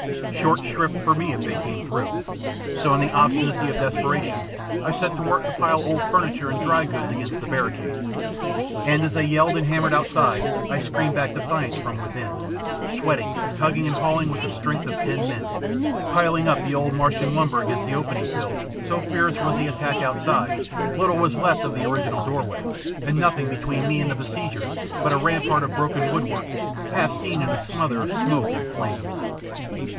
Short shrift for me if they came through, so in the obstinacy of desperation I set to work to pile old furniture and dry goods against the barricade. And as they yelled and hammered outside I screamed back defiance from within, sweating, tugging, and hauling with the strength of ten men, piling up the old Martian lumber against the opening till, so fierce was the attack outside, little was left of the original doorway and nothing between me and the besiegers but a rampart of broken woodwork half seen in a smother of smoke and flames.